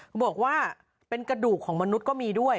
เขาบอกว่าเป็นกระดูกของมนุษย์ก็มีด้วย